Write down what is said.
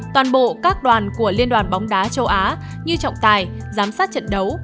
toàn bộ các đoàn của liên đoàn bóng đá châu á như trọng tài giám sát trận đấu